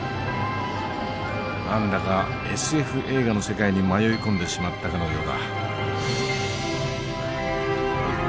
何だかＳＦ映画の世界に迷い込んでしまったかのようだ。